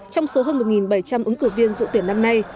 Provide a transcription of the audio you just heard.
trong số hơn một bảy trăm linh ứng cử viên dự tuyển năm nay